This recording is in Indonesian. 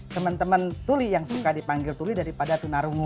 teman teman tuli yang suka dipanggil tuli daripada tunarungu